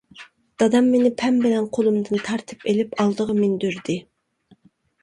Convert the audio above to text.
دادام مېنى پەم بىلەن قولۇمدىن تارتىپ ئېلىپ ئالدىغا مىندۈردى.